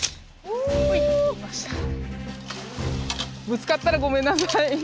ぶつかったらごめんなさい。